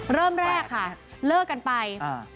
เริ่มแรกค่ะเลิกกันไป